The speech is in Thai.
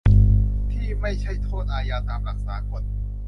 ที่ไม่ใช่โทษอาญาตามหลักสากล